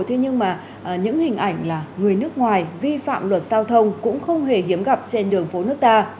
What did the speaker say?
thế nhưng mà những hình ảnh là người nước ngoài vi phạm luật giao thông cũng không hề hiếm gặp trên đường phố nước ta